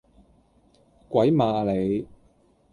鬼馬呀你！